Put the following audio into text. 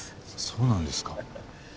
そうなんですか。